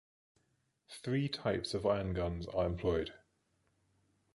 Three types of ion guns are employed.